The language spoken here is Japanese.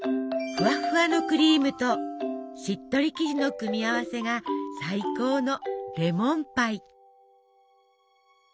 ふわふわのクリームとしっとり生地の組み合わせが最高のレモンパイ。